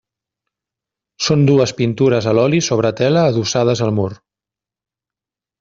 Són dues pintures a l'oli sobre tela adossades al mur.